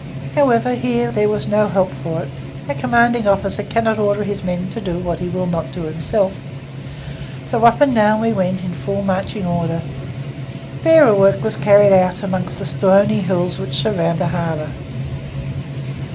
However, here there was no help for it; a commanding officer cannot order his men to do what he will not do himself, so up and down we went in full marching order. Bearer work was carried out among the stony hills which surround the harbour.